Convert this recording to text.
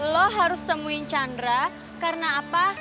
lo harus temuin chandra karena apa